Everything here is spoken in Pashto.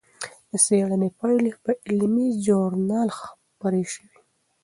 د څېړنې پایلې په علمي ژورنال خپرې شوې.